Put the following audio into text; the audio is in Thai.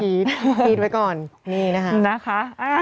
นี่นะคะ